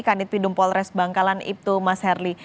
kanit pidum polres bangkalan ibtu mas herli